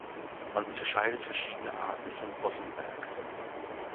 Man unterscheidet verschiedene Arten von Bossenwerk.